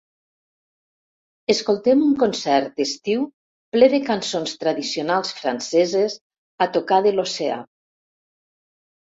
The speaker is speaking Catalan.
Escoltem un concert d'estiu ple de cançons tradicionals franceses a tocar de l'oceà.